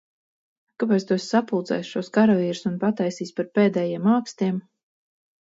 Kāpēc tu esi sapulcējis šos karavīrus un pataisījis par pēdējiem ākstiem?